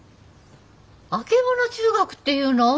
「あけぼの中学」っていうの？